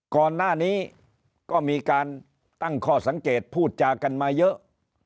ก่อนหน้านี้ก็มีการตั้งข้อสังเกตพูดจากันมาเยอะ